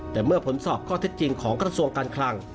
แต่เมื่อผลสอบข้อเท็จจริงของกระทรวงการคลัง